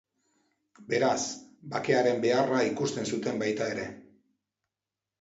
Beraz, bakearen beharra ikusten zuten baita ere.